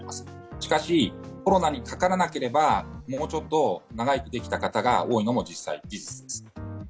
しかし、コロナにかからなければもうちょっと長生きできた方が多いのも実際事実です。